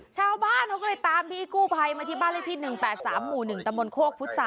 ชาวบ้านเขาก็เลยตามพี่กู้ภัยมาที่บ้านเลขที่๑๘๓หมู่๑ตำบลโคกพุทธศา